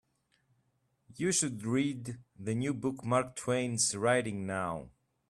You should read the new book Mark Twain's writing now.